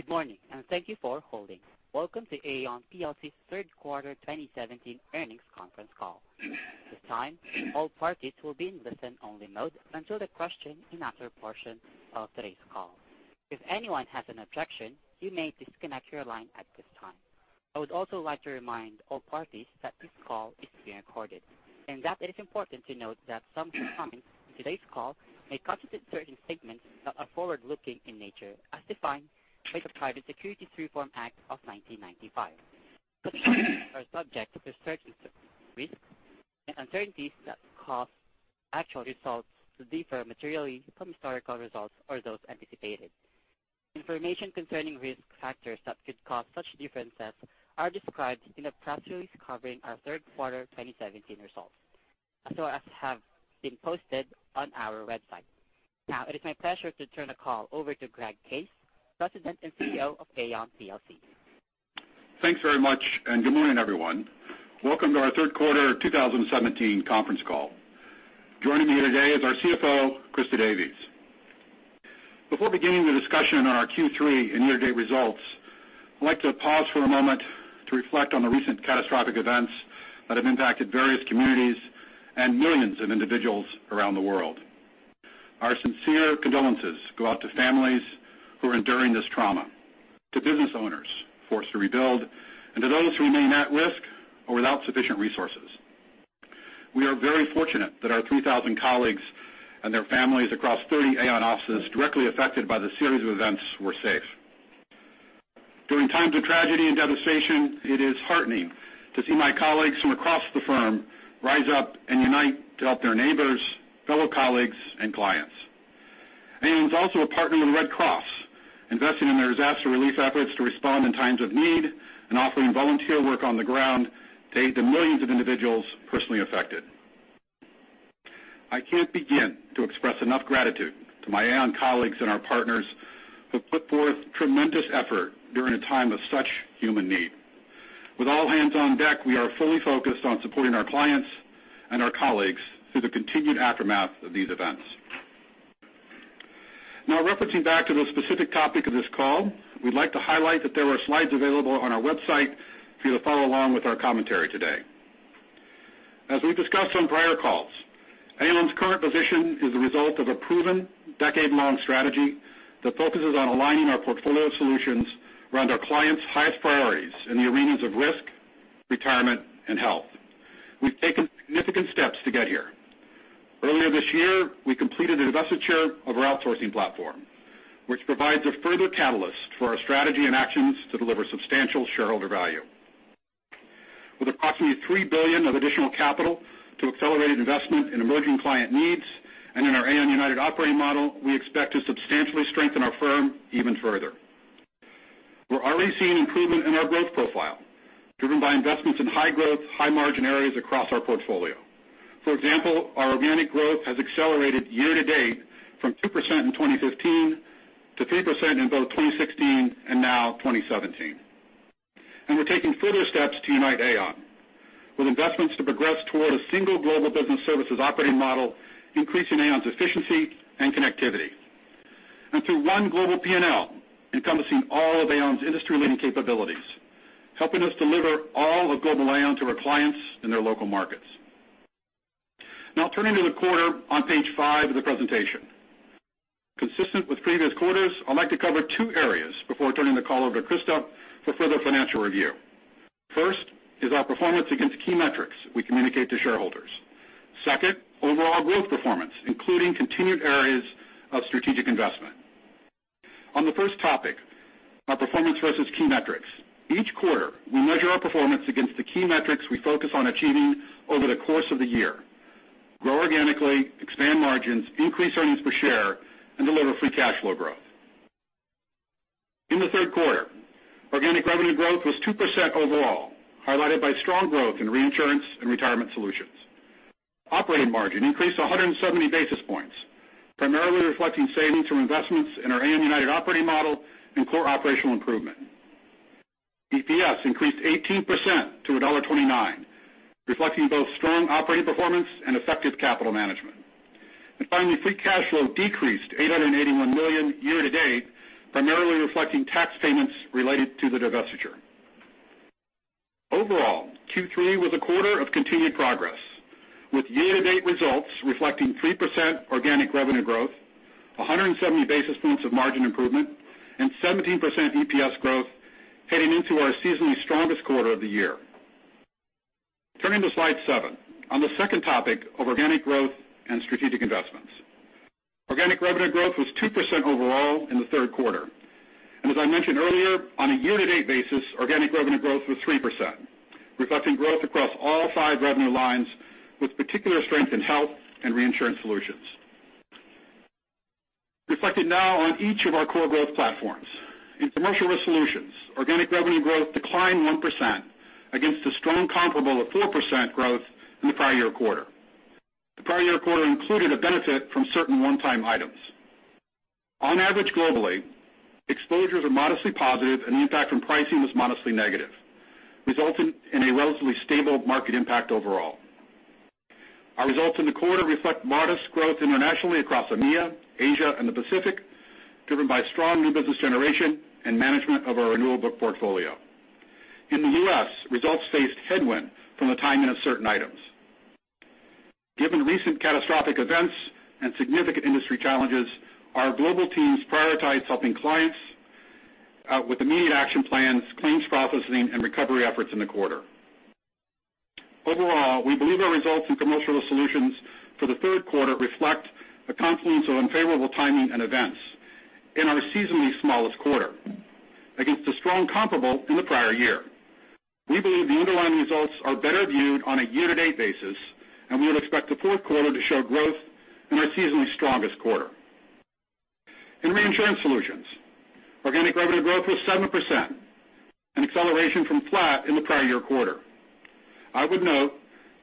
Good morning. Thank you for holding. Welcome to Aon plc's third quarter 2017 earnings conference call. At this time, all parties will be in listen-only mode until the question and answer portion of today's call. If anyone has an objection, you may disconnect your line at this time. I would also like to remind all parties that this call is being recorded and that it is important to note that some comments in today's call may constitute certain statements that are forward-looking in nature, as defined by the Private Securities Litigation Reform Act of 1995. Such statements are subject to certain risks and uncertainties that cause actual results to differ materially from historical results or those anticipated. Information concerning risk factors that could cause such differences are described in the press release covering our third quarter 2017 results, as well as have been posted on our website. It is my pleasure to turn the call over to Greg Case, President and Chief Executive Officer of Aon plc. Thanks very much. Good morning, everyone. Welcome to our third quarter 2017 conference call. Joining me here today is our CFO, Christa Davies. Before beginning the discussion on our Q3 and year-to-date results, I'd like to pause for a moment to reflect on the recent catastrophic events that have impacted various communities and millions of individuals around the world. Our sincere condolences go out to families who are enduring this trauma, to business owners forced to rebuild, and to those who remain at risk or without sufficient resources. We are very fortunate that our 3,000 colleagues and their families across 30 Aon offices directly affected by the series of events were safe. During times of tragedy and devastation, it is heartening to see my colleagues from across the firm rise up and unite to help their neighbors, fellow colleagues, and clients. Aon is also a partner with the Red Cross, investing in their disaster relief efforts to respond in times of need and offering volunteer work on the ground to aid the millions of individuals personally affected. I can't begin to express enough gratitude to my Aon colleagues and our partners who put forth tremendous effort during a time of such human need. With all hands on deck, we are fully focused on supporting our clients and our colleagues through the continued aftermath of these events. Referencing back to the specific topic of this call, we'd like to highlight that there are slides available on our website for you to follow along with our commentary today. As we discussed on prior calls, Aon's current position is the result of a proven decade-long strategy that focuses on aligning our portfolio solutions around our clients' highest priorities in the arenas of risk, retirement, and health. We've taken significant steps to get here. Earlier this year, we completed the divestiture of our outsourcing platform, which provides a further catalyst for our strategy and actions to deliver substantial shareholder value. With approximately $3 billion of additional capital to accelerate investment in emerging client needs and in our Aon United operating model, we expect to substantially strengthen our firm even further. We're already seeing improvement in our growth profile, driven by investments in high growth, high margin areas across our portfolio. For example, our organic growth has accelerated year-to-date from 2% in 2015 to 3% in both 2016 and now 2017. We're taking further steps to unite Aon with investments to progress toward a single global business services operating model, increasing Aon's efficiency and connectivity. Through one global P&L encompassing all of Aon's industry-leading capabilities, helping us deliver all of global Aon to our clients in their local markets. Now turning to the quarter on page five of the presentation. Consistent with previous quarters, I'd like to cover two areas before turning the call over to Christa for further financial review. First is our performance against key metrics we communicate to shareholders. Second, overall growth performance, including continued areas of strategic investment. On the first topic, our performance versus key metrics. Each quarter, we measure our performance against the key metrics we focus on achieving over the course of the year. Grow organically, expand margins, increase earnings per share, and deliver free cash flow growth. In the third quarter, organic revenue growth was 2% overall, highlighted by strong growth in Reinsurance Solutions and Retirement Solutions. Operating margin increased 170 basis points, primarily reflecting savings from investments in our Aon United operating model and core operational improvement. EPS increased 18% to $1.29, reflecting both strong operating performance and effective capital management. Finally, free cash flow decreased $881 million year-to-date, primarily reflecting tax payments related to the divestiture. Overall, Q3 was a quarter of continued progress, with year-to-date results reflecting 3% organic revenue growth, 170 basis points of margin improvement, and 17% EPS growth heading into our seasonally strongest quarter of the year. Turning to slide seven, on the second topic of organic growth and strategic investments. Organic revenue growth was 2% overall in the third quarter. As I mentioned earlier, on a year-to-date basis, organic revenue growth was 3%, reflecting growth across all five revenue lines with particular strength in Health Solutions and Reinsurance Solutions. Reflecting now on each of our core growth platforms. In Commercial Risk Solutions, organic revenue growth declined 1% against a strong comparable of 4% growth in the prior year quarter. The prior year quarter included a benefit from certain one-time items. On average globally, exposures are modestly positive and the impact from pricing was modestly negative, resulting in a relatively stable market impact overall. Our results in the quarter reflect modest growth internationally across EMEA, Asia, and the Pacific, driven by strong new business generation and management of our renewable book portfolio. In the U.S., results faced headwind from the timing of certain items. Given recent catastrophic events and significant industry challenges, our global teams prioritized helping clients with immediate action plans, claims processing, and recovery efforts in the quarter. Overall, we believe our results in Commercial Risk Solutions for the third quarter reflect a confluence of unfavorable timing and events in our seasonally smallest quarter against a strong comparable in the prior year. We believe the underlying results are better viewed on a year-to-date basis, and we would expect the fourth quarter to show growth in our seasonally strongest quarter. In Reinsurance Solutions, organic revenue growth was 7%, an acceleration from flat in the prior year quarter. I would note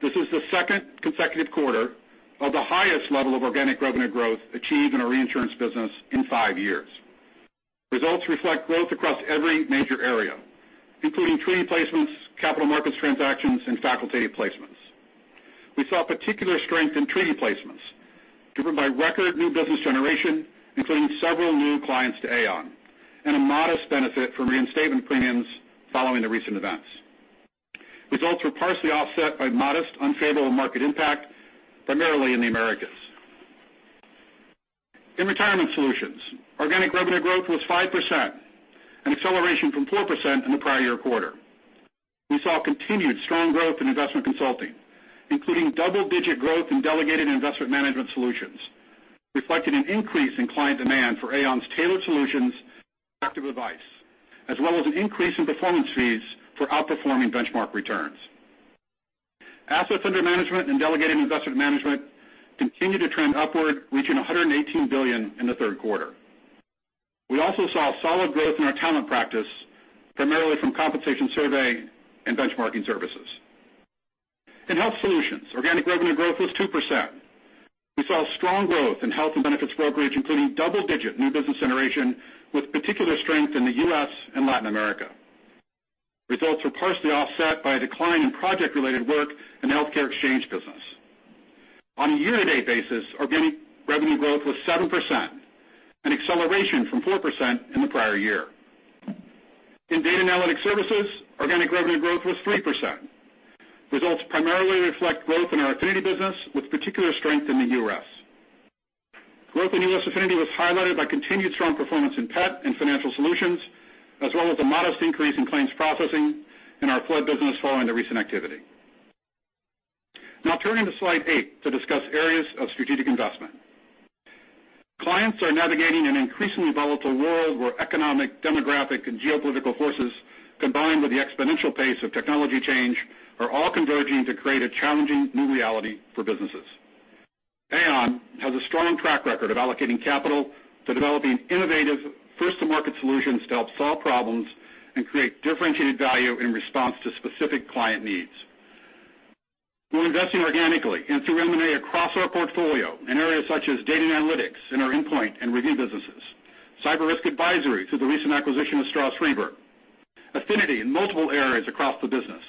this is the second consecutive quarter of the highest level of organic revenue growth achieved in our reinsurance business in five years. Results reflect growth across every major area, including treaty placements, capital markets transactions, and facultative placements. We saw particular strength in treaty placements driven by record new business generation, including several new clients to Aon and a modest benefit from reinstatement premiums following the recent events. Results were partially offset by modest unfavorable market impact, primarily in the Americas. In Retirement Solutions, organic revenue growth was 5%, an acceleration from 4% in the prior year quarter. We saw continued strong growth in investment consulting, including double-digit growth in Delegated Investment Management Solutions, reflecting an increase in client demand for Aon's tailored solutions and active advice, as well as an increase in performance fees for outperforming benchmark returns. Assets under management and delegated investment management continued to trend upward, reaching $118 billion in the third quarter. We also saw solid growth in our talent practice, primarily from compensation survey and benchmarking services. In Health Solutions, organic revenue growth was 2%. We saw strong growth in health and benefits brokerage, including double-digit new business generation with particular strength in the U.S. and Latin America. Results were partially offset by a decline in project-related work in the healthcare exchange business. On a year-to-date basis, organic revenue growth was 7%, an acceleration from 4% in the prior year. In Data & Analytic Services, organic revenue growth was 3%. Results primarily reflect growth in our affinity business with particular strength in the U.S. Growth in U.S. affinity was highlighted by continued strong performance in PET and financial solutions, as well as a modest increase in claims processing in our flood business following the recent activity. Now turning to slide eight to discuss areas of strategic investment. Clients are navigating an increasingly volatile world where economic, demographic, and geopolitical forces, combined with the exponential pace of technology change, are all converging to create a challenging new reality for businesses. Aon has a strong track record of allocating capital to developing innovative first-to-market solutions to help solve problems and create differentiated value in response to specific client needs. We're investing organically and through M&A across our portfolio in areas such as data and analytics in our endpoint and review businesses. Cyber risk advisory through the recent acquisition of Stroz Friedberg. Affinity in multiple areas across the business.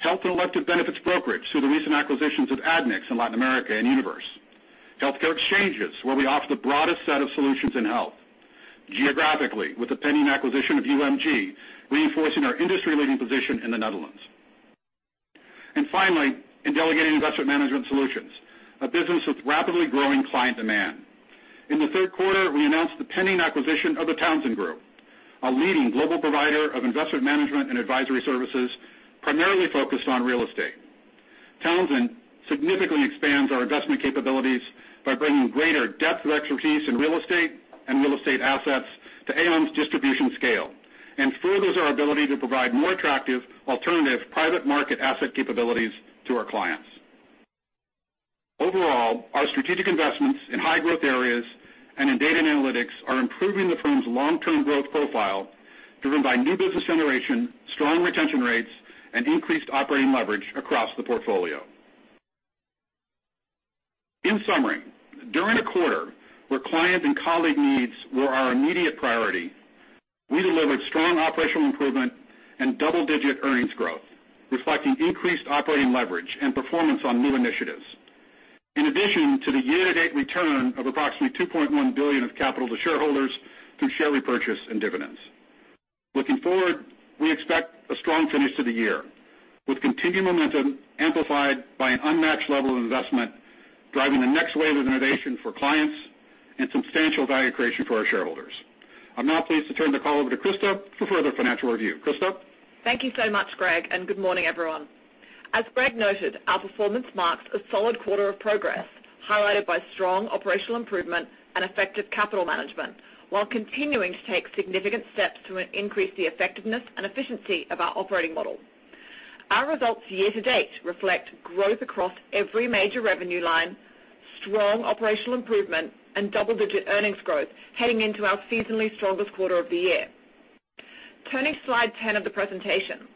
Health and elective benefits brokerage through the recent acquisitions of Admix in Latin America and Univers. Healthcare exchanges, where we offer the broadest set of solutions in health geographically with the pending acquisition of UMG, reinforcing our industry-leading position in the Netherlands. In Delegated Investment Management Solutions, a business with rapidly growing client demand. In the third quarter, we announced the pending acquisition of The Townsend Group, a leading global provider of investment management and advisory services primarily focused on real estate. Townsend significantly expands our investment capabilities by bringing greater depth of expertise in real estate and real estate assets to Aon's distribution scale and furthers our ability to provide more attractive alternative private market asset capabilities to our clients. Overall, our strategic investments in high growth areas and in data and analytics are improving the firm's long-term growth profile, driven by new business generation, strong retention rates, and increased operating leverage across the portfolio. In summary, during a quarter where client and colleague needs were our immediate priority, we delivered strong operational improvement and double-digit earnings growth, reflecting increased operating leverage and performance on new initiatives. In addition to the year-to-date return of approximately $2.1 billion of capital to shareholders through share repurchase and dividends. Looking forward, we expect a strong finish to the year with continued momentum amplified by an unmatched level of investment, driving the next wave of innovation for clients and substantial value creation for our shareholders. I am now pleased to turn the call over to Christa for further financial review. Christa? Thank you so much, Greg, and good morning, everyone. As Greg noted, our performance marks a solid quarter of progress, highlighted by strong operational improvement and effective capital management while continuing to take significant steps to increase the effectiveness and efficiency of our operating model. Our results year-to-date reflect growth across every major revenue line, strong operational improvement, and double-digit earnings growth heading into our seasonally strongest quarter of the year. Turning to slide 10 of the presentation.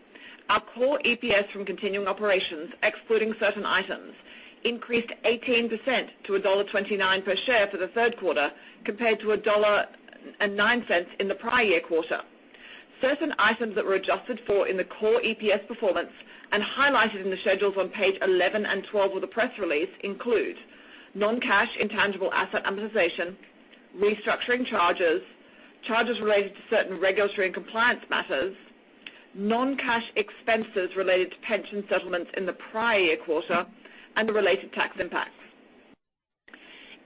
Our core EPS from continuing operations, excluding certain items, increased 18% to $1.29 per share for the third quarter, compared to $1.09 in the prior year quarter. Certain items that were adjusted for in the core EPS performance and highlighted in the schedules on page 11 and 12 of the press release include non-cash intangible asset amortization, restructuring charges related to certain regulatory and compliance matters, non-cash expenses related to pension settlements in the prior year quarter, and the related tax impacts.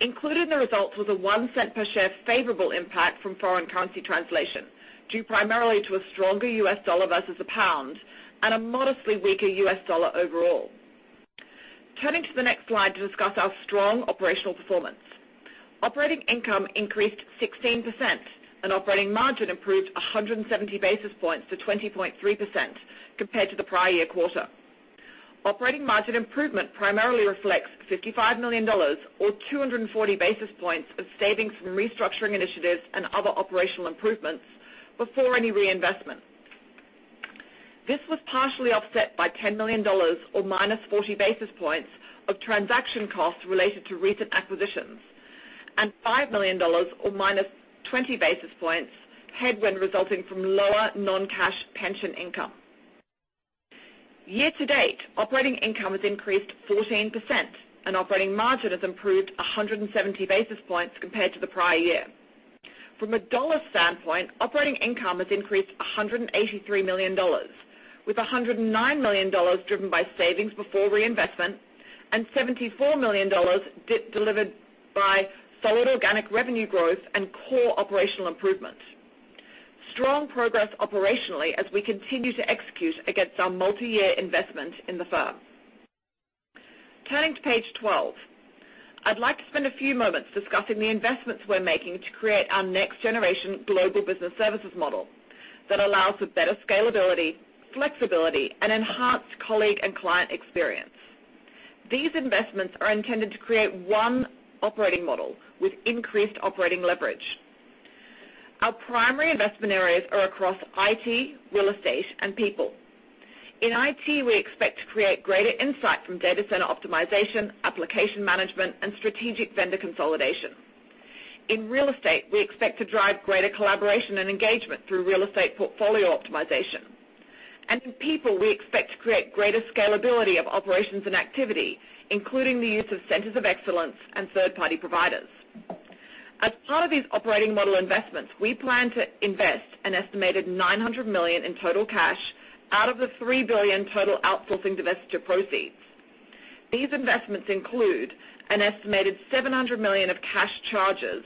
Included in the results was a $0.01 per share favorable impact from foreign currency translation, due primarily to a stronger U.S. dollar versus the pound and a modestly weaker U.S. dollar overall. Turning to the next slide to discuss our strong operational performance. Operating income increased 16% and operating margin improved 170 basis points to 20.3% compared to the prior year quarter. Operating margin improvement primarily reflects $55 million, or 240 basis points of savings from restructuring initiatives and other operational improvements before any reinvestment. This was partially offset by $10 million, or minus 40 basis points of transaction costs related to recent acquisitions, and $5 million, or minus 20 basis points headwind resulting from lower non-cash pension income. Year-to-date, operating income has increased 14% and operating margin has improved 170 basis points compared to the prior year. From a dollar standpoint, operating income has increased $183 million, with $109 million driven by savings before reinvestment, and $74 million delivered by solid organic revenue growth and core operational improvements. Strong progress operationally as we continue to execute against our multi-year investment in the firm. Turning to page 12. I'd like to spend a few moments discussing the investments we're making to create our next-generation global business services model that allows for better scalability, flexibility and enhanced colleague and client experience. These investments are intended to create one operating model with increased operating leverage. Our primary investment areas are across IT, real estate and people. In IT, we expect to create greater insight from data center optimization, application management and strategic vendor consolidation. In real estate, we expect to drive greater collaboration and engagement through real estate portfolio optimization. In people, we expect to create greater scalability of operations and activity, including the use of centers of excellence and third-party providers. As part of these operating model investments, we plan to invest an estimated $900 million in total cash out of the $3 billion total outsourcing divestiture proceeds. These investments include an estimated $700 million of cash charges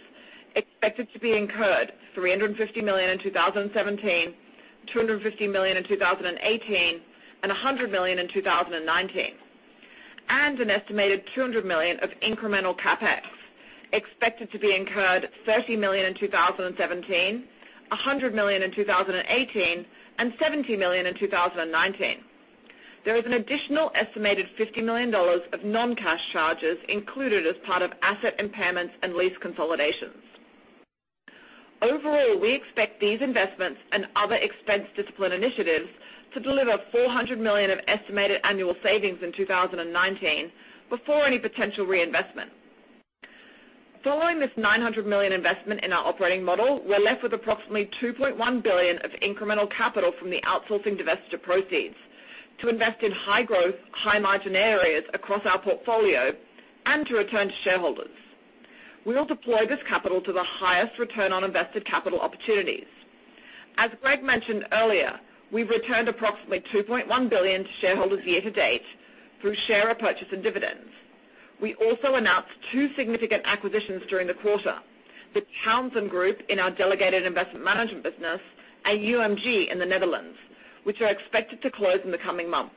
expected to be incurred $350 million in 2017, $250 million in 2018, and $100 million in 2019. An estimated $200 million of incremental CapEx expected to be incurred $30 million in 2017, $100 million in 2018, and $70 million in 2019. There is an additional estimated $50 million of non-cash charges included as part of asset impairments and lease consolidations. Overall, we expect these investments and other expense discipline initiatives to deliver $400 million of estimated annual savings in 2019 before any potential reinvestment. Following this $900 million investment in our operating model, we're left with approximately $2.1 billion of incremental capital from the outsourcing divestiture proceeds to invest in high-growth, high-margin areas across our portfolio and to return to shareholders. We will deploy this capital to the highest return on invested capital opportunities. As Greg mentioned earlier, we've returned approximately $2.1 billion to shareholders year-to-date through share repurchases and dividends. We also announced two significant acquisitions during the quarter. The Townsend Group in our Delegated Investment Management business and UMG in the Netherlands, which are expected to close in the coming months.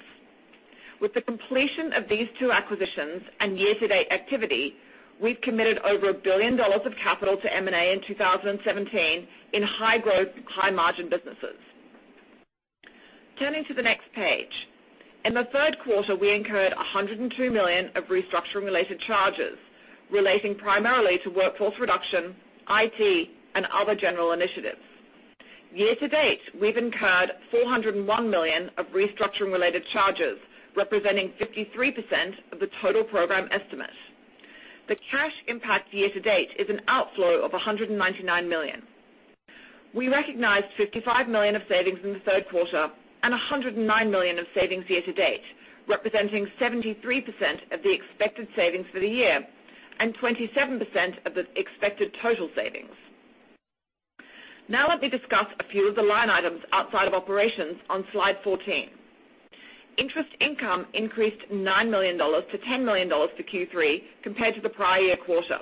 With the completion of these two acquisitions and year-to-date activity, we've committed over $1 billion of capital to M&A in 2017 in high-growth, high-margin businesses. Turning to the next page. In the third quarter, we incurred $102 million of restructuring related charges, relating primarily to workforce reduction, IT, and other general initiatives. Year-to-date, we've incurred $401 million of restructuring related charges, representing 53% of the total program estimate. The cash impact year-to-date is an outflow of $199 million. We recognized $55 million of savings in the third quarter and $109 million of savings year-to-date, representing 73% of the expected savings for the year and 27% of the expected total savings. Let me discuss a few of the line items outside of operations on slide 14. Interest income increased $9 million to $10 million for Q3 compared to the prior year quarter,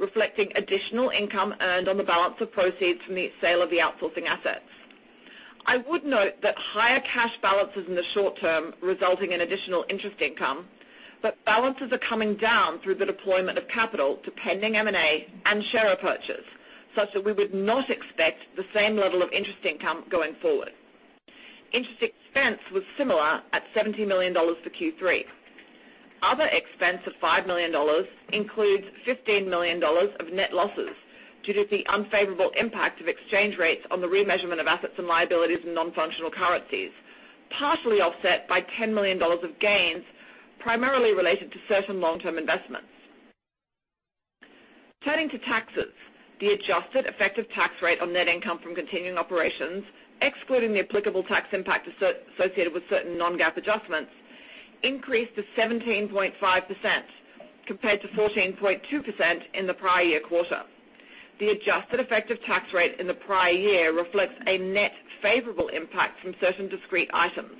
reflecting additional income earned on the balance of proceeds from the sale of the outsourcing assets. I would note that higher cash balances in the short term resulting in additional interest income, but balances are coming down through the deployment of capital to pending M&A and share repurchases, such that we would not expect the same level of interest income going forward. Interest expense was similar at $70 million for Q3. Other expense of $5 million includes $15 million of net losses due to the unfavorable impact of exchange rates on the remeasurement of assets and liabilities in non-functional currencies, partially offset by $10 million of gains primarily related to certain long-term investments. Turning to taxes, the adjusted effective tax rate on net income from continuing operations, excluding the applicable tax impact associated with certain non-GAAP adjustments, increased to 17.5%, compared to 14.2% in the prior year quarter. The adjusted effective tax rate in the prior year reflects a net favorable impact from certain discrete items.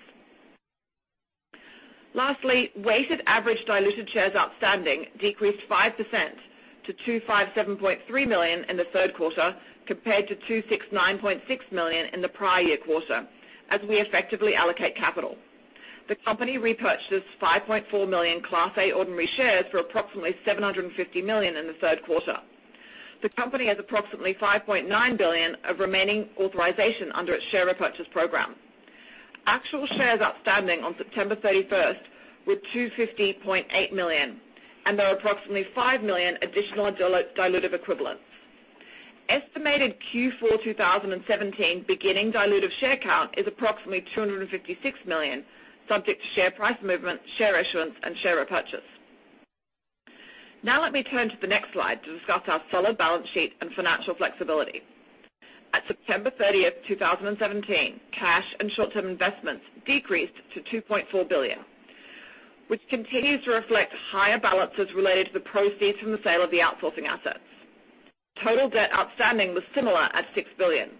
Lastly, weighted average diluted shares outstanding decreased 5% to 257.3 million in the third quarter, compared to 269.6 million in the prior year quarter, as we effectively allocate capital. The company repurchased 5.4 million Class A ordinary shares for approximately $750 million in the third quarter. The company has approximately $5.9 billion of remaining authorization under its share repurchase program. Actual shares outstanding on September 30th were 250.8 million, and there are approximately 5 million additional dilutive equivalents. Estimated Q4 2017 beginning dilutive share count is approximately 256 million, subject to share price movement, share issuance and share repurchase. Let me turn to the next slide to discuss our solid balance sheet and financial flexibility. At September 30th, 2017, cash and short-term investments decreased to $2.4 billion, which continues to reflect higher balances related to the proceeds from the sale of the outsourcing assets. Total debt outstanding was similar at $6 billion,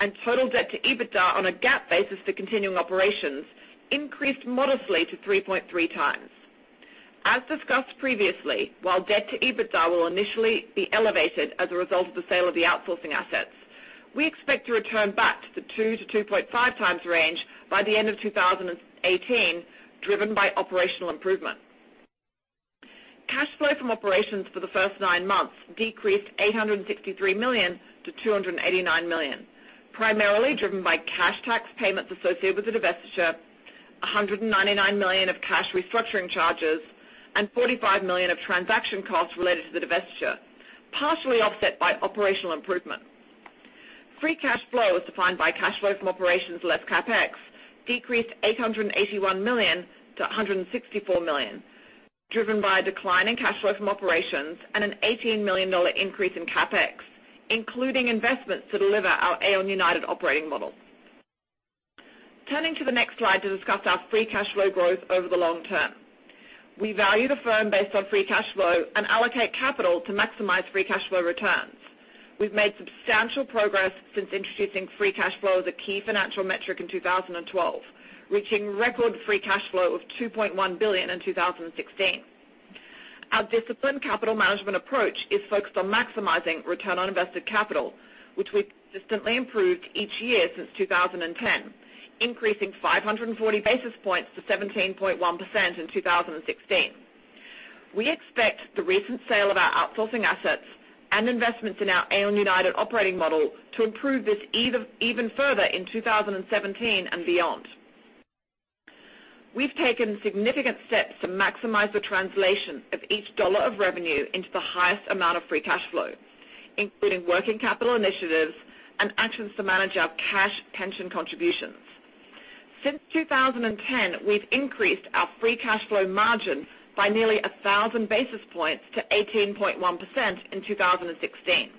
and total debt to EBITDA on a GAAP basis for continuing operations increased modestly to 3.3 times. As discussed previously, while debt to EBITDA will initially be elevated as a result of the sale of the outsourcing assets, we expect to return back to the 2 to 2.5 times range by the end of 2018, driven by operational improvement. Cash flow from operations for the first nine months decreased $863 million to $289 million, primarily driven by cash tax payments associated with the divestiture, $199 million of cash restructuring charges, and $45 million of transaction costs related to the divestiture, partially offset by operational improvements. Free cash flow, as defined by cash flow from operations less CapEx, decreased $881 million to $164 million, driven by a decline in cash flow from operations and an $18 million increase in CapEx, including investments to deliver our Aon United operating model. Turning to the next slide to discuss our free cash flow growth over the long term. We value the firm based on free cash flow and allocate capital to maximize free cash flow returns. We've made substantial progress since introducing free cash flow as a key financial metric in 2012, reaching record free cash flow of $2.1 billion in 2016. Our disciplined capital management approach is focused on maximizing return on invested capital, which we've consistently improved each year since 2010, increasing 540 basis points to 17.1% in 2016. We expect the recent sale of our outsourcing assets and investments in our Aon United operating model to improve this even further in 2017 and beyond. We've taken significant steps to maximize the translation of each dollar of revenue into the highest amount of free cash flow, including working capital initiatives and actions to manage our cash pension contributions. Since 2010, we've increased our free cash flow margin by nearly 1,000 basis points to 18.1% in 2016.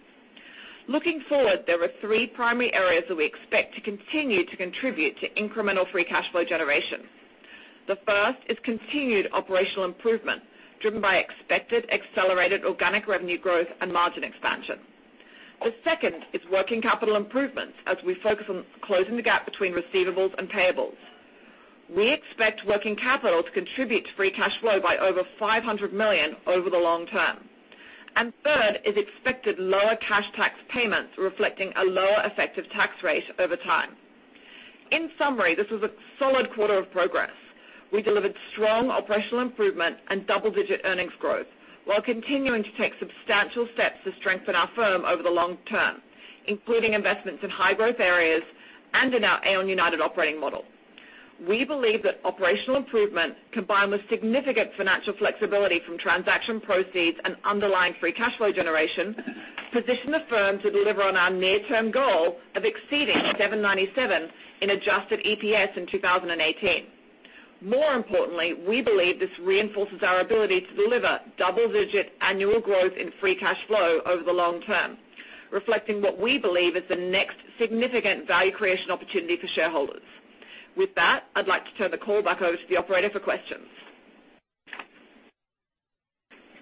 Looking forward, there are three primary areas that we expect to continue to contribute to incremental free cash flow generation. The first is continued operational improvement, driven by expected accelerated organic revenue growth and margin expansion. The second is working capital improvements as we focus on closing the gap between receivables and payables. We expect working capital to contribute to free cash flow by over $500 million over the long term. Third is expected lower cash tax payments, reflecting a lower effective tax rate over time. In summary, this was a solid quarter of progress. We delivered strong operational improvement and double-digit earnings growth while continuing to take substantial steps to strengthen our firm over the long term, including investments in high-growth areas and in our Aon United operating model. We believe that operational improvement, combined with significant financial flexibility from transaction proceeds and underlying free cash flow generation, position the firm to deliver on our near-term goal of exceeding $797 in adjusted EPS in 2018. More importantly, we believe this reinforces our ability to deliver double-digit annual growth in free cash flow over the long term, reflecting what we believe is the next significant value creation opportunity for shareholders. With that, I'd like to turn the call back over to the operator for questions.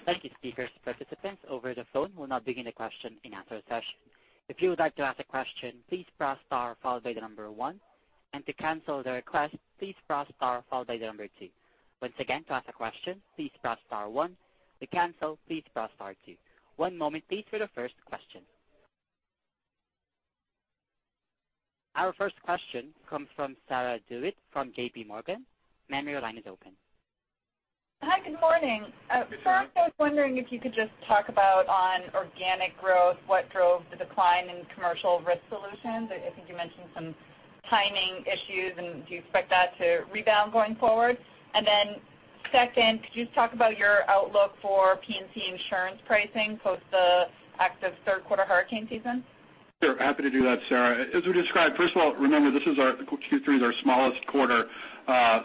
Thank you, speakers. Participants over the phone, we'll now begin the question and answer session. If you would like to ask a question, please press star followed by the number one, and to cancel the request, please press star followed by the number two. Once again, to ask a question, please press star one. To cancel, please press star two. One moment, please, for the first question. Our first question comes from Sarah DeWitt from JPMorgan. Ma'am, your line is open. Hi, good morning. Good morning. I was wondering if you could just talk about on organic growth, what drove the decline in Commercial Risk Solutions? I think you mentioned some timing issues, and do you expect that to rebound going forward? Second, could you talk about your outlook for P&C insurance pricing post the active third quarter hurricane season? Sure, happy to do that, Sarah. We described, first of all, remember, Q3 is our smallest quarter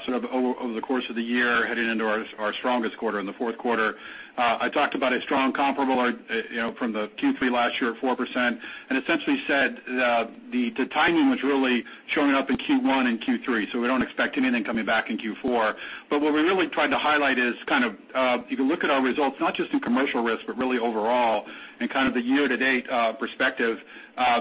sort of over the course of the year, heading into our strongest quarter in the fourth quarter. I talked about a strong comparable from the Q3 last year at 4% and essentially said the timing was really showing up in Q1 and Q3, we don't expect anything coming back in Q4. What we really tried to highlight is kind of, if you look at our results, not just in Commercial Risk, but really overall in kind of the year-to-date perspective,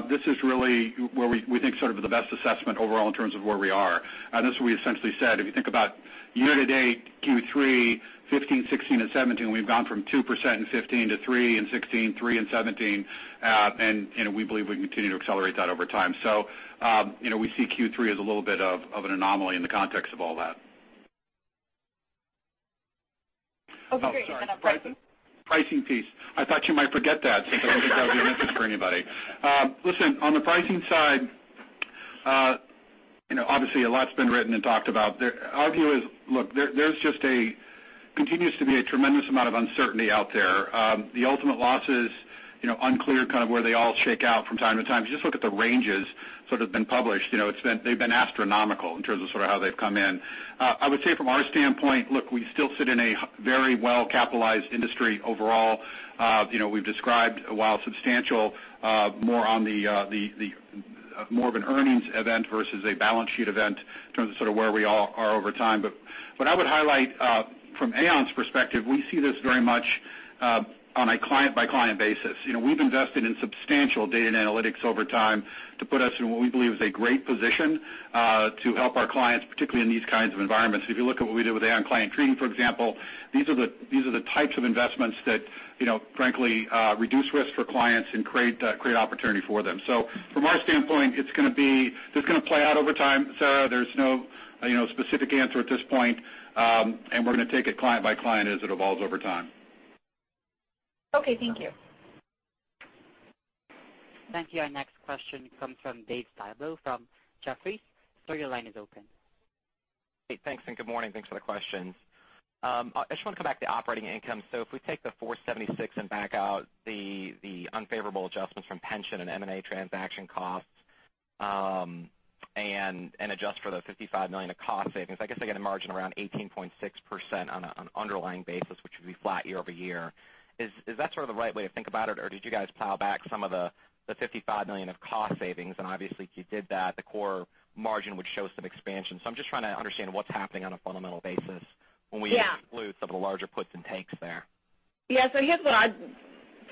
this is really where we think sort of the best assessment overall in terms of where we are. That's where we essentially said, if you think about year-to-date Q3 2015, 2016, and 2017, we've gone from 2% in 2015 to 3% in 2016, 3% in 2017, and we believe we can continue to accelerate that over time. We see Q3 as a little bit of an anomaly in the context of all that. Great, then on pricing- Oh, sorry. Pricing piece. I thought you might forget that since I didn't think that would be of interest for anybody. Listen, on the pricing side, obviously a lot's been written and talked about. Our view is, look, there continues to be a tremendous amount of uncertainty out there. The ultimate losses, unclear kind of where they all shake out from time to time. Just look at the ranges, sort of been published. They've been astronomical in terms of sort of how they've come in. I would say from our standpoint, look, we still sit in a very well-capitalized industry overall. We've described, while substantial, more of an earnings event versus a balance sheet event in terms of sort of where we are over time. What I would highlight from Aon's perspective, we see this very much on a client-by-client basis. We've invested in substantial data and analytics over time to put us in what we believe is a great position to help our clients, particularly in these kinds of environments. If you look at what we did with Aon Client Treaty, for example, these are the types of investments that frankly reduce risk for clients and create opportunity for them. From our standpoint, this is going to play out over time, Sarah. There's no specific answer at this point, and we're going to take it client-by-client as it evolves over time. Okay, thank you. Thank you. Our next question comes from David Styblo, from Jefferies. Sir, your line is open. Hey, thanks, good morning. Thanks for the questions. I just want to come back to operating income. If we take the $476 and back out the unfavorable adjustments from pension and M&A transaction costs, and adjust for the $55 million of cost savings, I guess I get a margin around 18.6% on an underlying basis, which would be flat year-over-year. Is that sort of the right way to think about it? Did you guys plow back some of the $55 million of cost savings? Obviously if you did that, the core margin would show some expansion. I'm just trying to understand what's happening on a fundamental basis when we- Yeah exclude some of the larger puts and takes there. Yeah.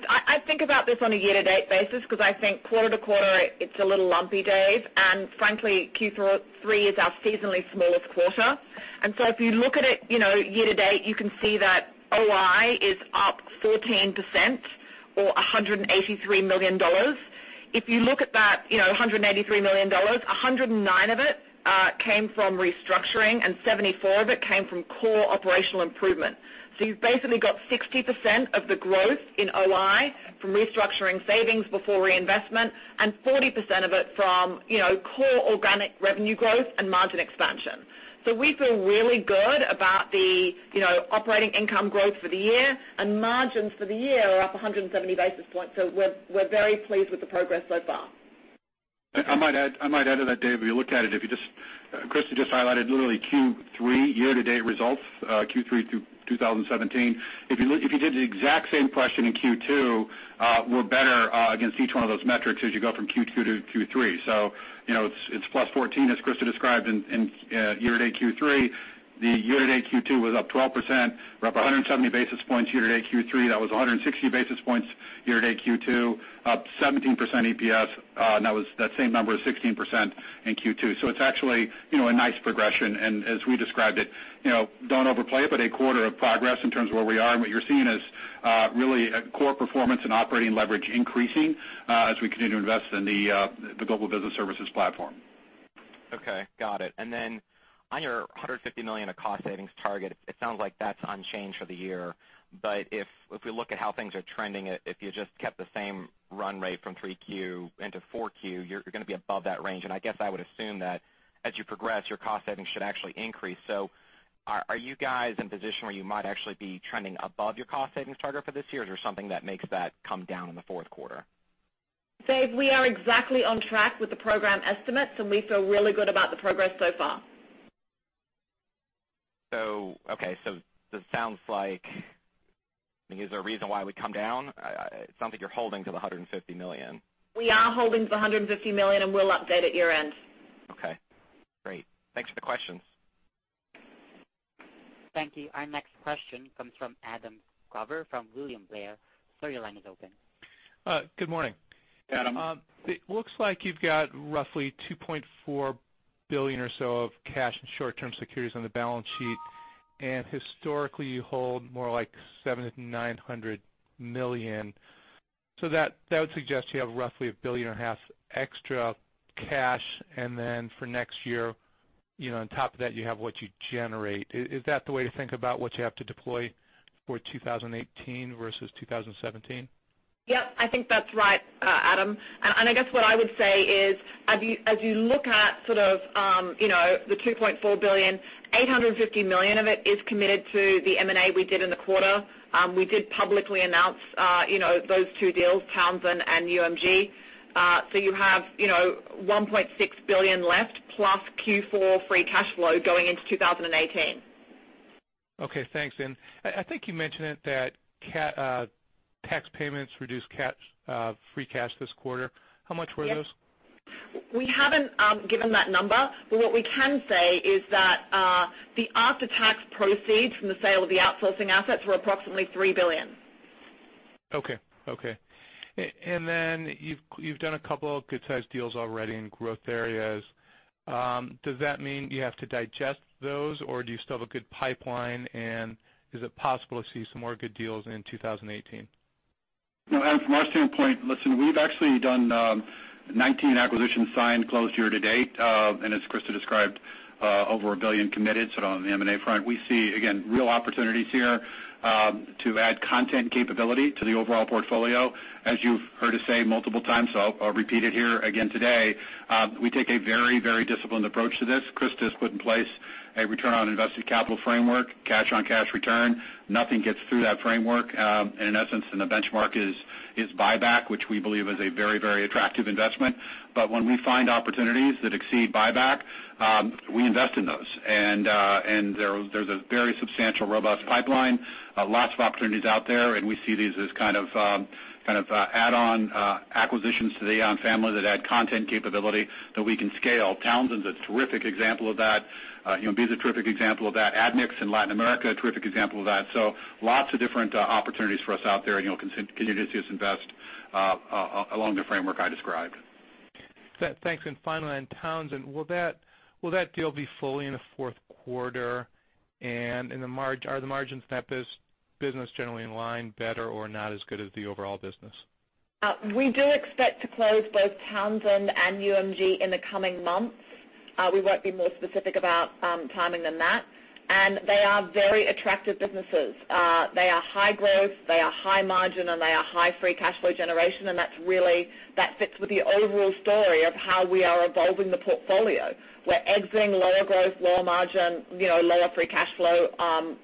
I think about this on a year-to-date basis because I think quarter-to-quarter, it's a little lumpy, Dave. Frankly, Q3 is our seasonally smallest quarter. If you look at it year to date, you can see that OI is up 14% or $183 million. If you look at that $183 million, $109 million of it came from restructuring and $74 million of it came from core operational improvement. You've basically got 60% of the growth in OI from restructuring savings before reinvestment and 40% of it from core organic revenue growth and margin expansion. We feel really good about the operating income growth for the year, and margins for the year are up 170 basis points. We're very pleased with the progress so far. I might add to that, Dave. If you look at it, Christa just highlighted literally Q3 year-to-date results, Q3 2017. If you did the exact same question in Q2, we're better against each one of those metrics as you go from Q2 to Q3. It's +14% as Christa described in year-to-date Q3. The year-to-date Q2 was up 12%. We're up 170 basis points year-to-date Q3. That was 160 basis points year-to-date Q2. Up 17% EPS. That same number is 16% in Q2. It's actually a nice progression. As we described it, don't overplay it, but a quarter of progress in terms of where we are and what you're seeing is really core performance and operating leverage increasing as we continue to invest in the global business services platform. Okay. Got it. Then on your $150 million of cost savings target, it sounds like that's unchanged for the year. If we look at how things are trending, if you just kept the same run rate from three Q into four Q, you're going to be above that range. I guess I would assume that as you progress, your cost savings should actually increase. Are you guys in a position where you might actually be trending above your cost savings target for this year? Is there something that makes that come down in the fourth quarter? Dave, we are exactly on track with the program estimates. We feel really good about the progress so far. Okay. Is there a reason why we come down? It's not like you're holding to the $150 million. We are holding to the $150 million. We'll update at year-end. Okay, great. Thanks for the questions. Thank you. Our next question comes from Adam Klauber, from William Blair. Sir, your line is open. Good morning. Adam. It looks like you've got roughly $2.4 billion or so of cash and short-term securities on the balance sheet, and historically, you hold more like $700 million-$900 million. That would suggest you have roughly a billion and a half extra cash, and then for next year, on top of that, you have what you generate. Is that the way to think about what you have to deploy for 2018 versus 2017? Yep, I think that's right, Adam. I guess what I would say is, as you look at sort of the $2.4 billion, $850 million of it is committed to the M&A we did in the quarter. We did publicly announce those two deals, Townsend and UMG. You have $1.6 billion left plus Q4 free cash flow going into 2018. Okay, thanks. I think you mentioned that tax payments reduced free cash this quarter. How much were those? We haven't given that number. What we can say is that the after-tax proceeds from the sale of the outsourcing assets were approximately $3 billion. Okay. You've done a couple of good-sized deals already in growth areas. Does that mean you have to digest those, or do you still have a good pipeline? Is it possible to see some more good deals in 2018? No, Adam, from our standpoint, listen, we've actually done 19 acquisitions signed closed year to date. As Christa described, over $1 billion committed on the M&A front. We see, again, real opportunities here to add content capability to the overall portfolio. As you've heard us say multiple times, so I'll repeat it here again today, we take a very disciplined approach to this. Christa has put in place a return on invested capital framework, cash on cash return. Nothing gets through that framework in essence, the benchmark is buyback, which we believe is a very attractive investment. When we find opportunities that exceed buyback, we invest in those. There's a very substantial, robust pipeline, lots of opportunities out there, and we see these as kind of add-on acquisitions to the Aon family that add content capability that we can scale. Townsend's a terrific example of that. UMG, a terrific example of that. Admix in Latin America, a terrific example of that. Lots of different opportunities for us out there, you're going to continue to see us invest along the framework I described. Finally, on Townsend, will that deal be fully in the fourth quarter? Are the margins in that business generally in line better or not as good as the overall business? We do expect to close both Townsend and UMG in the coming months. We won't be more specific about timing than that. They are very attractive businesses. They are high growth, they are high margin, and they are high free cash flow generation. That fits with the overall story of how we are evolving the portfolio. We're exiting lower growth, lower margin, lower free cash flow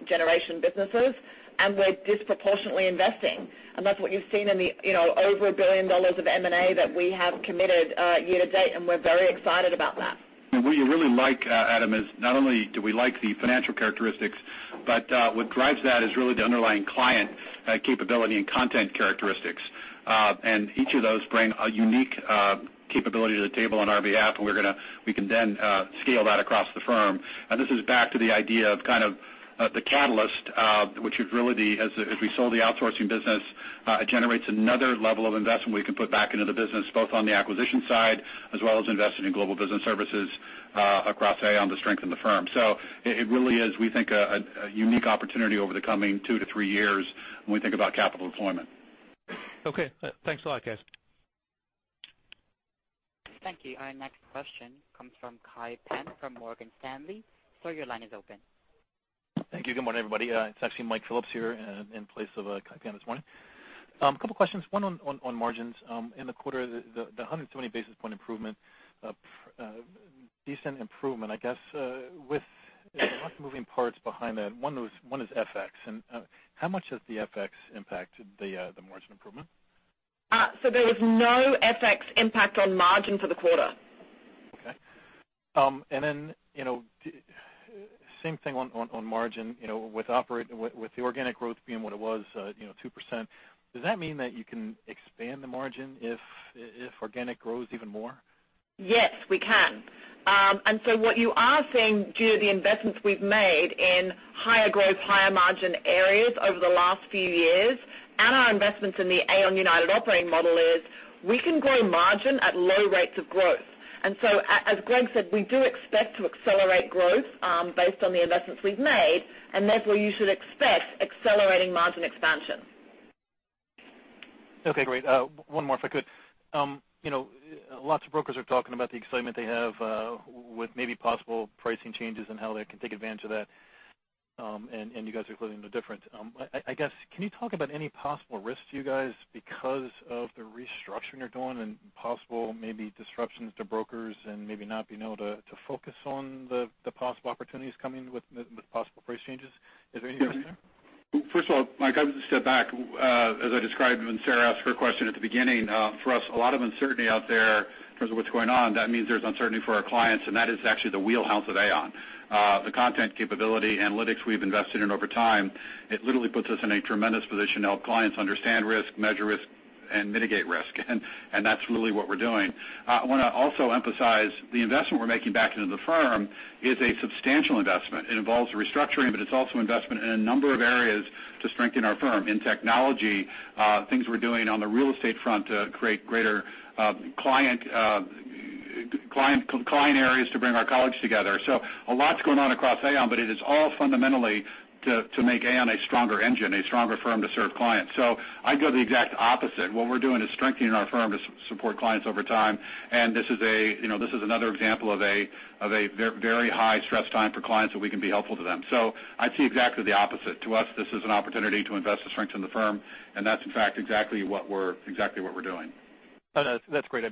generation businesses, and we're disproportionately investing. That's what you've seen in the over $1 billion of M&A that we have committed year to date, and we're very excited about that. What you really like, Adam, is not only do we like the financial characteristics, but what drives that is really the underlying client capability and content characteristics. Each of those bring a unique capability to the table on our behalf, and we can then scale that across the firm. This is back to the idea of kind of the catalyst which is really as we sold the outsourcing business, it generates another level of investment we can put back into the business, both on the acquisition side as well as investing in global business services across Aon to strengthen the firm. It really is, we think, a unique opportunity over the coming 2-3 years when we think about capital deployment. Okay. Thanks a lot, guys. Thank you. Our next question comes from Kai Pan from Morgan Stanley. Sir, your line is open. Thank you. Good morning, everybody. It is actually Mike Phillips here in place of Kai Pan this morning. A couple questions, one on margins. In the quarter, the 120 basis point improvement, a decent improvement, I guess with lots of moving parts behind that. One is FX. How much does the FX impact the margin improvement? There is no FX impact on margin for the quarter. Okay. Same thing on margin. With the organic growth being what it was, 2%, does that mean that you can expand the margin if organic grows even more? Yes, we can. What you are seeing due to the investments we've made in higher growth, higher margin areas over the last few years and our investments in the Aon United operating model is we can grow margin at low rates of growth. As Greg said, we do expect to accelerate growth based on the investments we've made, and therefore you should expect accelerating margin expansion. Okay, great. One more, if I could. Lots of brokers are talking about the excitement they have with maybe possible pricing changes and how they can take advantage of that. You guys are clearly no different. I guess, can you talk about any possible risks to you guys because of the restructuring you're doing and possible maybe disruptions to brokers and maybe not being able to focus on the possible opportunities coming with possible price changes? Is there any risk there? First of all, Mike, I would just step back. As I described when Sarah asked her question at the beginning, for us, a lot of uncertainty out there in terms of what's going on. That means there's uncertainty for our clients, and that is actually the wheelhouse of Aon. The content capability analytics we've invested in over time, it literally puts us in a tremendous position to help clients understand risk, measure risk, and mitigate risk. That's really what we're doing. I want to also emphasize the investment we're making back into the firm is a substantial investment. It involves restructuring, but it's also investment in a number of areas to strengthen our firm in technology things we're doing on the real estate front to create greater client areas to bring our colleagues together. A lot's going on across Aon, but it is all fundamentally to make Aon a stronger engine, a stronger firm to serve clients. I'd go the exact opposite. What we're doing is strengthening our firm to support clients over time. This is another example of a very high-stress time for clients that we can be helpful to them. I see exactly the opposite. To us, this is an opportunity to invest to strengthen the firm, and that's in fact exactly what we're doing. That's great. I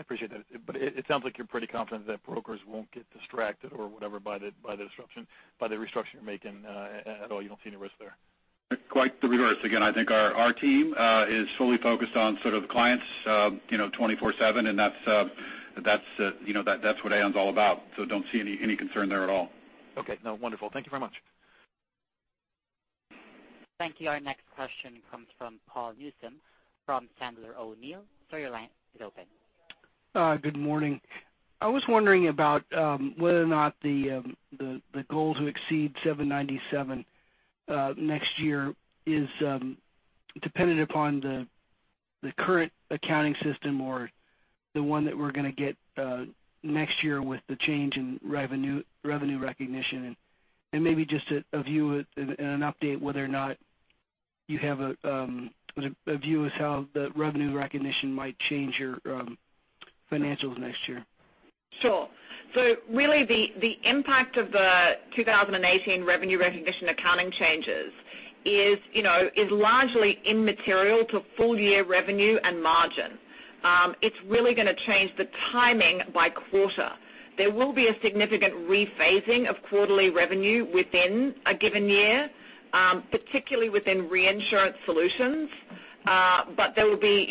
appreciate that. It sounds like you're pretty confident that brokers won't get distracted or whatever by the disruption, by the restructure you're making at all. You don't see any risk there? Quite the reverse. Again, I think our team is solely focused on clients 24/7, and that's what Aon's all about. Don't see any concern there at all. Okay. No, wonderful. Thank you very much. Thank you. Our next question comes from Paul Newsome from Sandler O'Neill. Sir, your line is open. Good morning. I was wondering about whether or not the goal to exceed 797 next year is dependent upon the current accounting system or the one that we're going to get next year with the change in revenue recognition. Maybe just a view and an update whether or not you have a view of how the revenue recognition might change your financials next year. Sure. Really the impact of the 2018 revenue recognition accounting changes is largely immaterial to full year revenue and margin. It's really going to change the timing by quarter. There will be a significant rephasing of quarterly revenue within a given year, particularly within Reinsurance Solutions. There will be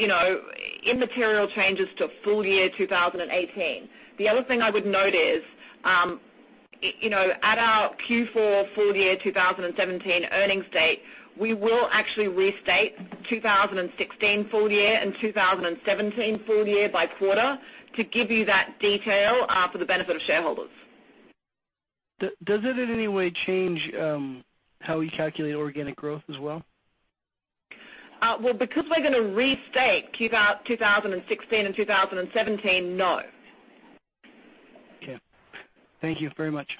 immaterial changes to full year 2018. The other thing I would note is at our Q4 full year 2017 earnings date, we will actually restate 2016 full year and 2017 full year by quarter to give you that detail for the benefit of shareholders. Does it in any way change how we calculate organic growth as well? Because we're going to restate 2016 and 2017, no. Okay. Thank you very much.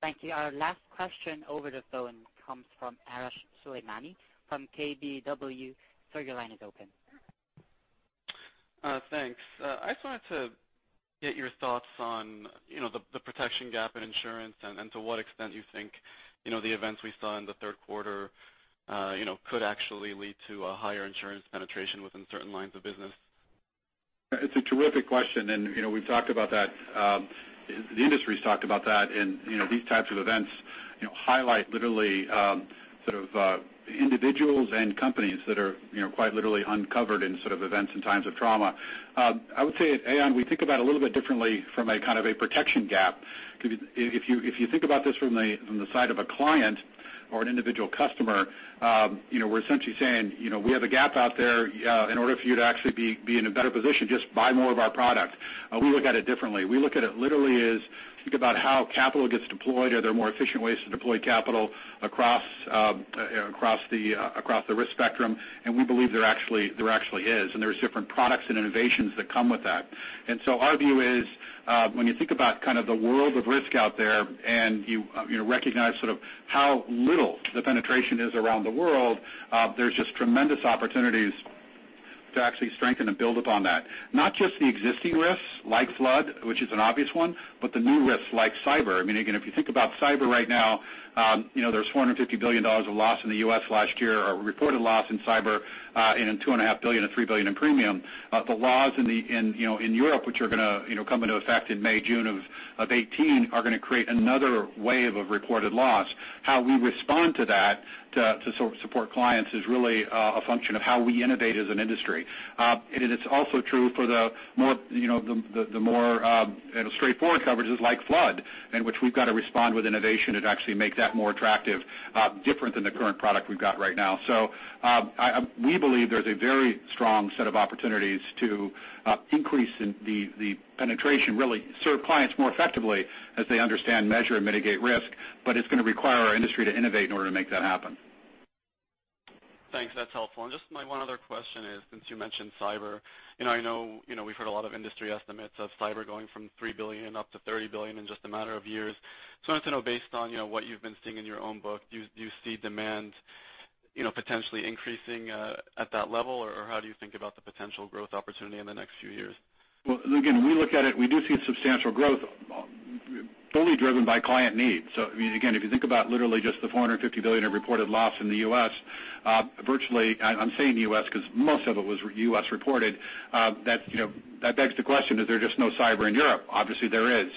Thank you. Our last question over the phone comes from Meyer Shields from KBW. Sir, your line is open. Thanks. I just wanted to get your thoughts on the protection gap in insurance and to what extent you think the events we saw in the third quarter could actually lead to a higher insurance penetration within certain lines of business. It's a terrific question. We've talked about that. The industry's talked about that. These types of events highlight literally sort of individuals and companies that are quite literally uncovered in sort of events in times of trauma. I would say at Aon, we think about it a little bit differently from a kind of a protection gap. If you think about this from the side of a client or an individual customer, we're essentially saying, "We have a gap out there. In order for you to actually be in a better position, just buy more of our product." We look at it differently. We look at it literally as think about how capital gets deployed. Are there more efficient ways to deploy capital across the risk spectrum? We believe there actually is. There's different products and innovations that come with that. Our view is when you think about kind of the world of risk out there and you recognize sort of how little the penetration is around the world there's just tremendous opportunities to actually strengthen and build upon that. Not just the existing risks like flood, which is an obvious one, but the new risks like cyber. Again, if you think about cyber right now there's $450 billion of loss in the U.S. last year, or reported loss in cyber and $2.5 billion or $3 billion in premium. The laws in Europe, which are going to come into effect in May, June of 2018, are going to create another wave of reported loss. How we respond to that to support clients is really a function of how we innovate as an industry. It is also true for the more straightforward coverages like flood, in which we've got to respond with innovation to actually make that more attractive different than the current product we've got right now. We believe there's a very strong set of opportunities to increase the penetration, really serve clients more effectively as they understand, measure, and mitigate risk. It's going to require our industry to innovate in order to make that happen. Thanks. That's helpful. Just my one other question is, since you mentioned cyber, I know we've heard a lot of industry estimates of cyber going from $3 billion up to $30 billion in just a matter of years. Just wanted to know, based on what you've been seeing in your own book, do you see demand potentially increasing at that level? Or how do you think about the potential growth opportunity in the next few years? Well, again, we look at it, we do see substantial growth solely driven by client needs. Again, if you think about literally just the $450 billion of reported loss in the U.S. virtually, I'm saying U.S. because most of it was U.S. reported. That begs the question, is there just no cyber in Europe? Obviously, there is.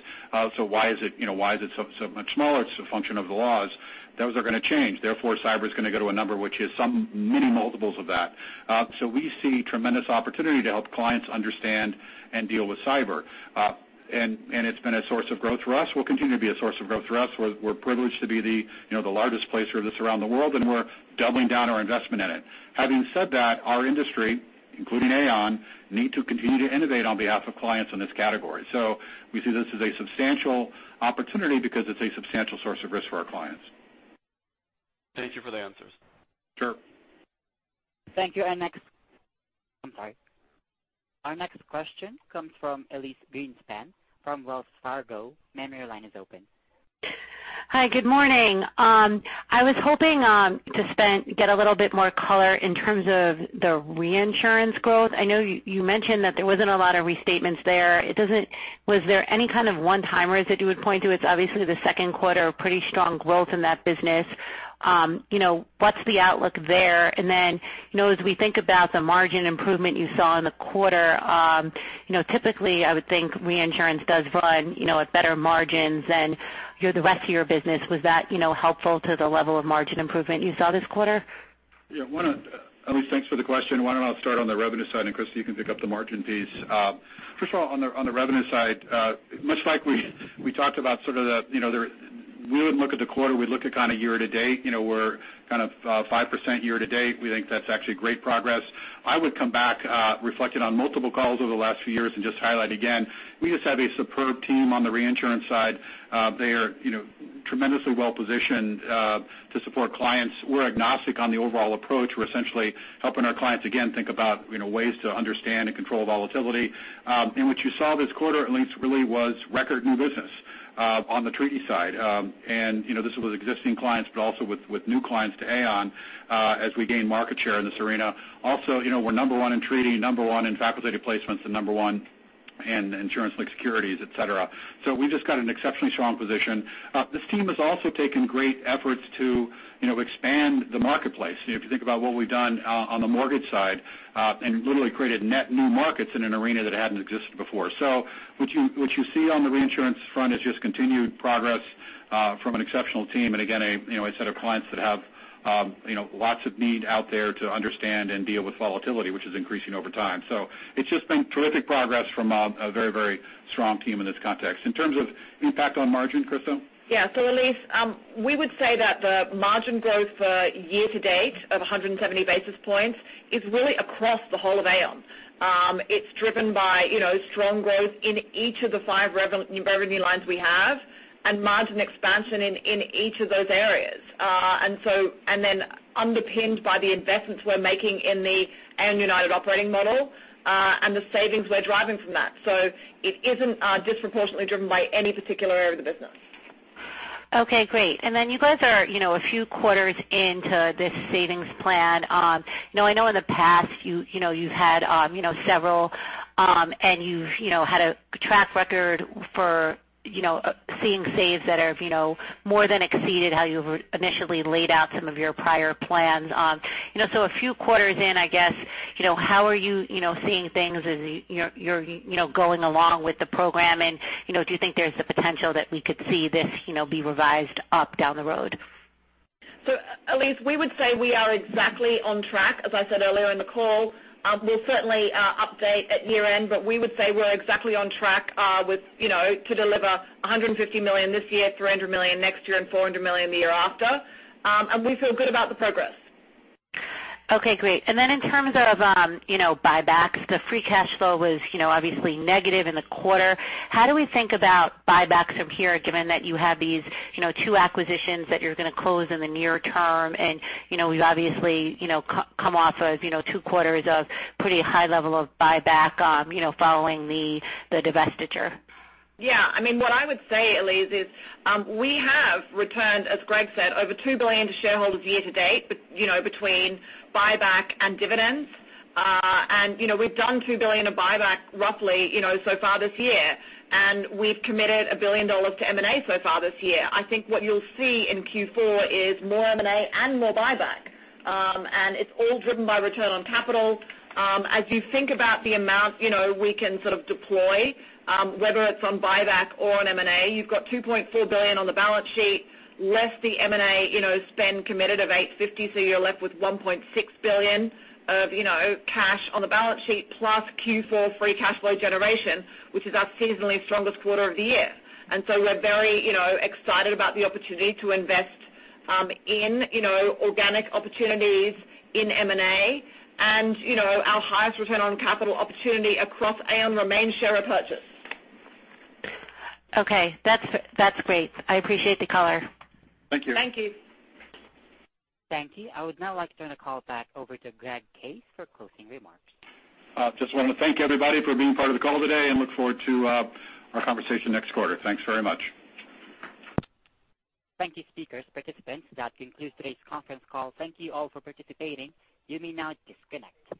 Why is it so much smaller? It's a function of the laws. Those are going to change, therefore, cyber is going to go to a number which is some many multiples of that. We see tremendous opportunity to help clients understand and deal with cyber. It's been a source of growth for us, will continue to be a source of growth for us. We're privileged to be the largest placer of this around the world, and we're doubling down our investment in it. Having said that, our industry, including Aon, need to continue to innovate on behalf of clients in this category. We see this as a substantial opportunity because it's a substantial source of risk for our clients. Thank you for the answers. Sure. Thank you. Our next question comes from Elyse Greenspan from Wells Fargo. Ma'am, your line is open. Hi, good morning. I was hoping to get a little bit more color in terms of the reinsurance growth. I know you mentioned that there wasn't a lot of restatements there. Was there any kind of one-timers that you would point to? It's obviously the second quarter, pretty strong growth in that business. What's the outlook there? As we think about the margin improvement you saw in the quarter, typically I would think reinsurance does run at better margins than the rest of your business. Was that helpful to the level of margin improvement you saw this quarter? Yeah. Elyse, thanks for the question. Why don't I start on the revenue side, and Christa, you can pick up the margin piece. First of all, on the revenue side, much like we talked about We wouldn't look at the quarter, we'd look at kind of year to date. We're kind of 5% year to date. We think that's actually great progress. I would come back, reflect it on multiple calls over the last few years and just highlight again, we just have a superb team on the Reinsurance Solutions side. They are tremendously well positioned to support clients. We're agnostic on the overall approach. We're essentially helping our clients, again, think about ways to understand and control volatility. What you saw this quarter at least really was record new business on the Aon Client Treaty side. This was existing clients but also with new clients to Aon as we gain market share in this arena. We're number 1 in Aon Client Treaty, number 1 in facultative placements, and number 1 in insurance-linked securities, et cetera. We've just got an exceptionally strong position. This team has also taken great efforts to expand the marketplace. If you think about what we've done on the mortgage side and literally created net new markets in an arena that hadn't existed before. What you see on the Reinsurance Solutions front is just continued progress from an exceptional team, and again, a set of clients that have lots of need out there to understand and deal with volatility, which is increasing over time. It's just been terrific progress from a very strong team in this context. In terms of impact on margins, Christa? Yeah. Elyse, we would say that the margin growth for year to date of 170 basis points is really across the whole of Aon. It's driven by strong growth in each of the 5 revenue lines we have and margin expansion in each of those areas. Then underpinned by the investments we're making in the Aon United operating model, and the savings we're driving from that. It isn't disproportionately driven by any particular area of the business. Okay, great. You guys are a few quarters into this savings plan. I know in the past you've had several and you've had a track record for seeing saves that have more than exceeded how you initially laid out some of your prior plans. A few quarters in, I guess, how are you seeing things as you're going along with the program, and do you think there's the potential that we could see this be revised up down the road? Elyse, we would say we are exactly on track. As I said earlier in the call, we'll certainly update at year-end, but we would say we're exactly on track to deliver $150 million this year, $300 million next year, and $400 million the year after. We feel good about the progress. Okay, great. In terms of buybacks, the free cash flow was obviously negative in the quarter. How do we think about buybacks from here, given that you have these two acquisitions that you're going to close in the near term, and we've obviously come off of two quarters of pretty high level of buyback following the divestiture? What I would say, Elyse, is we have returned, as Greg said, over $2 billion to shareholders year to date between buyback and dividends. We've done $2 billion of buyback roughly so far this year. We've committed $1 billion to M&A so far this year. I think what you'll see in Q4 is more M&A and more buyback. It's all driven by return on capital. As you think about the amount we can sort of deploy, whether it's on buyback or on M&A, you've got $2.4 billion on the balance sheet, less the M&A spend committed of $850, so you're left with $1.6 billion of cash on the balance sheet, plus Q4 free cash flow generation, which is our seasonally strongest quarter of the year. We're very excited about the opportunity to invest in organic opportunities in M&A. Our highest return on capital opportunity across Aon remains share repurchase. Okay. That's great. I appreciate the color. Thank you. Thank you. Thank you. I would now like to turn the call back over to Greg Case for closing remarks. Just want to thank everybody for being part of the call today and look forward to our conversation next quarter. Thanks very much. Thank you speakers, participants. That concludes today's conference call. Thank you all for participating. You may now disconnect.